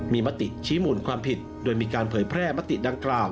มีมติชี้มูลความผิดโดยมีการเผยแพร่มติดังกล่าว